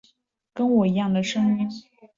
跟我一样的声音